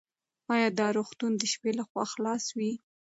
ایا دا روغتون د شپې لخوا خلاص وي؟